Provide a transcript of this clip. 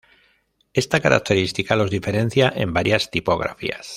Esta característica los diferencia en varias tipografías.